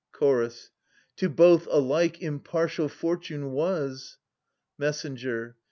Chorus. To both alike impartial fortune was ! Messenger.